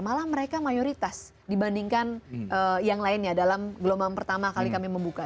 malah mereka mayoritas dibandingkan yang lainnya dalam gelombang pertama kali kami membuka